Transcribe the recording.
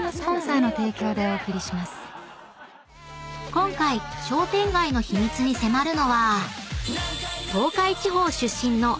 ［今回商店街の秘密に迫るのは］